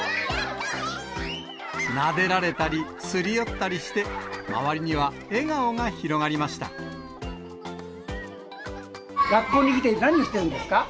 なでられたり、すり寄ったりして、学校に来て、何してるんです